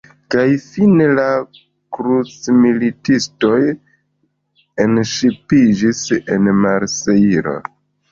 Kaj fine la “krucmilitistoj” enŝipiĝis en Marsejlo.